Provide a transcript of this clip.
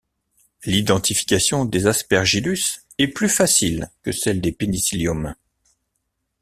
L'identification des Aspergillus est plus facile que celle des Penicillium.